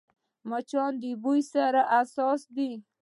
مچان د بوی سره حساس دي